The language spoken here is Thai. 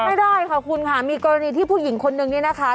ไม่ได้ค่ะคุณค่ะมีกรณีที่ผู้หญิงคนนึงเนี่ยนะคะ